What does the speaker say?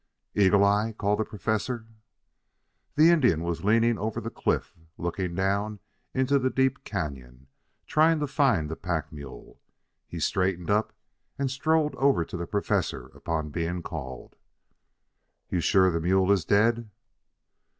"Eagle eye," called the Professor. The Indian was leaning over the cliff looking down into the deep canyon, trying to find the pack mule. He straightened up and strode over to the Professor upon being called. "You sure the mule is dead?"